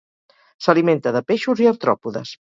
S'alimenta de peixos i artròpodes.